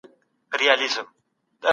بورګان ولې داسې خبره وکړه؟